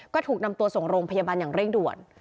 ก็ถูกนำตัวส่งโรงพยาบาลอย่างเร่งด่วน